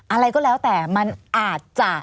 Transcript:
อะไรก็แล้วแต่มันอาจจะ